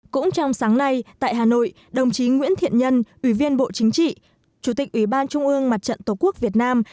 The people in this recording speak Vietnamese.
cũng trong sáng nay tại hà nội đồng chí nguyễn thiện nhân ủy viên bộ chính trị chủ tịch ủy ban trung ương mặt trận tổ quốc việt nam